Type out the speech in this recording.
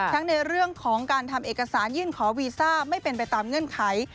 ในเรื่องของการทำเอกสารยื่นขอวีซ่าไม่เป็นไปตามเงื่อนไข